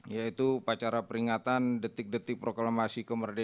yaitu upacara peringatan detik detik proklamasi kemerdekaan